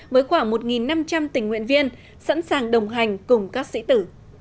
với khoảng một năm trăm linh tình nguyện viên sẵn sàng đồng hành cùng các sĩ tử